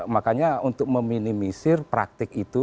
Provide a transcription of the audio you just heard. makanya untuk meminimisir praktik itu